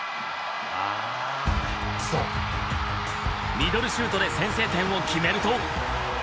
ミドルシュートで先制点を決めると。